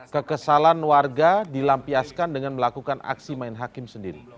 kekesalan warga dilampiaskan dengan melakukan aksi main hakim sendiri